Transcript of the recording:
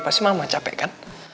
pasti mama capek kan